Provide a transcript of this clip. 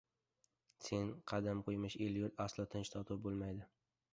Sen qadam qo‘ymish el-yurt aslo tinch-totuv bo‘lmaydi.